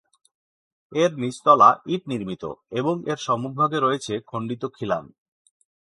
এর নিচতলা ইট নির্মিত এবং এর সম্মুখভাগে রয়েছে খন্ডিত খিলান।